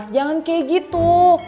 jangan kayak gitu